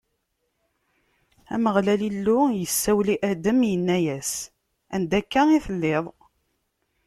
Ameɣlal Illu isawel i Adam, inna-as: Anda akka i telliḍ?